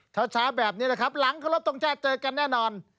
เช้าแบบนี้นะครับหลังเคารพทรงชาติเจอกันแน่นอน